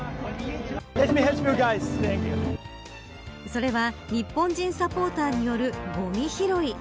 それは日本人サポーターによるごみ拾い。